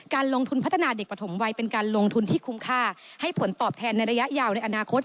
ลงทุนพัฒนาเด็กปฐมวัยเป็นการลงทุนที่คุ้มค่าให้ผลตอบแทนในระยะยาวในอนาคต